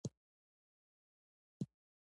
محبوبه يوه خيالي ښاپېرۍ ښکاري،